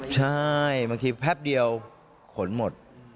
ใช่บางทีแพบเดียวขนหมด